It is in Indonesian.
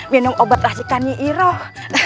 minum obat rasikannya iroh